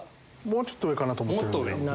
もうちょっと上かなと。